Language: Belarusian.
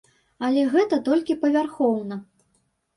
Але гэта толькі павярхоўна.